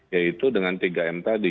yaitu dengan tiga m tadi